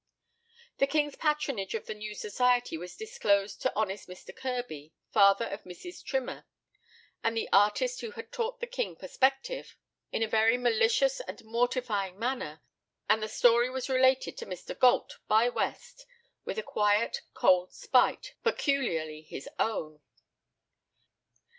The king's patronage of the new society was disclosed to honest Mr. Kirby (father of Mrs. Trimmer, and the artist who had taught the king perspective) in a very malicious and mortifying manner, and the story was related to Mr. Galt by West, with a quiet, cold spite, peculiarly his own.